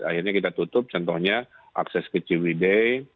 akhirnya kita tutup contohnya akses ke ciwide